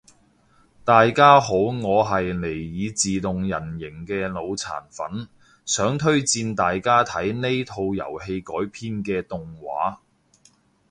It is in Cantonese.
大家好我係尼爾自動人形嘅腦殘粉，想推介大家睇呢套遊戲改編嘅動畫